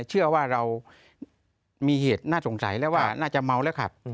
เชื่อว่าเรามีเหตุน่าสงสัยแล้วว่าน่าจะเมาแล้วขับ